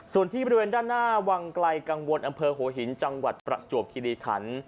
ส่วนที่บริเวณด้านหน้าวังไกลกังวลอำเภอหัวหินจังหวัดประจวบคิริขัน